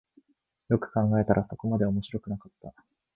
よく考えたらそこまで面白くなかった